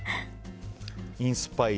インスパイア。